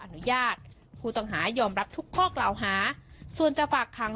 อนุญาตผู้ต้องหายอมรับทุกข้อกล่าวหาส่วนจะฝากขัง